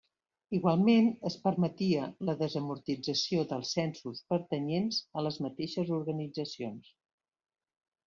Igualment, es permetia la desamortització dels censos pertanyents a les mateixes organitzacions.